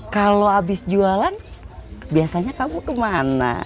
kalau habis jualan biasanya kamu kemana